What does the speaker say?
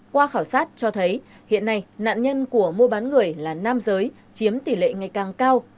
qua khảo sát cho thấy hiện nay nạn nhân của mua bán người là nam giới chiếm tỷ lệ ngày càng cao